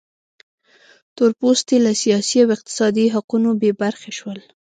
تور پوستي له سیاسي او اقتصادي حقونو بې برخې شول.